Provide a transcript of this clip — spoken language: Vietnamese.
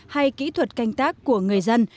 hay kỹ thuật canh tác của người dân